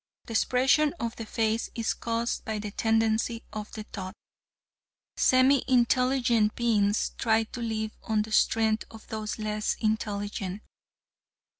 The expression of the face is caused by the tendency of the thought. Semi intelligent beings try to live on the strength of those less intelligent.